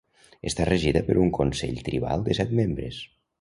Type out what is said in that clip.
Està regida per un consell tribal de set membres.